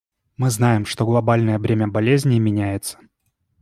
Мы знаем, что глобальное бремя болезней меняется.